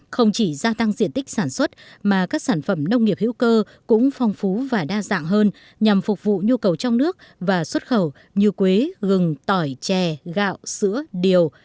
không chỉ gia tăng diện tích sản xuất mà các sản phẩm nông nghiệp hữu cơ cũng phong phú và đa dạng hơn nhằm phục vụ nhu cầu trong nước và xuất khẩu như quế gừng tỏi chè gạo sữa điều